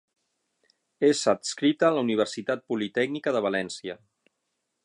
És adscrita a la Universitat Politècnica de València.